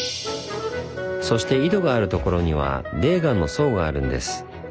そして井戸があるところには泥岩の層があるんです。